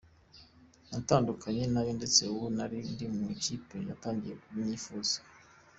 Natandukanye nayo ndetse ubu hari andi makipe yatangiye kunyifuza.”